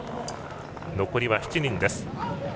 残り７人です。